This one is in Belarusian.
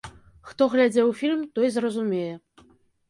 Хто глядзеў фільм, той зразумее.